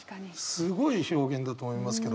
すごい表現だと思いますけど。